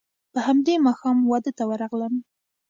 په همدې ماښام واده ته ورغلم.